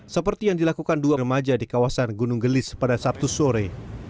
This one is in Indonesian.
seperti yang dilakukan dua remaja di kawasan gunung gelis pada sabtu sore